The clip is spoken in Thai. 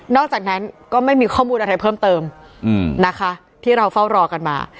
อกจากนั้นก็ไม่มีข้อมูลอะไรเพิ่มเติมนะคะที่เราเฝ้ารอกันมา